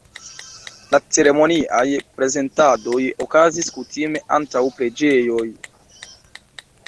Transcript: La ceremoniaj prezentadoj okazis kutime antaŭ preĝejoj.